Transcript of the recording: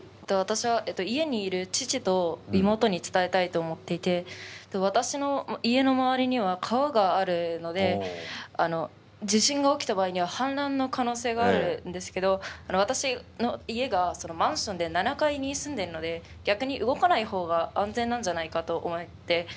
私は家にいる父と妹に伝えたいと思っていて私の家の周りには川があるので地震が起きた場合には氾濫の可能性があるんですけど私の家がマンションで７階に住んでるので逆に動かない方が安全なんじゃないかと思って。